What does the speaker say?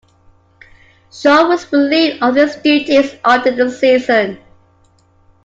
Shaw was relieved of his duties after the season.